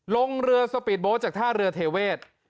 ลงเรือสปีดโบสต์จากท่าเรือเทเวศ